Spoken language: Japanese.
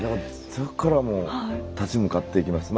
それからもう立ち向かっていきます。